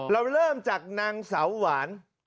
เราเริ่มจากนางสาวหวาน